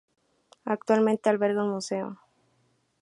Actualmente alberga un museo.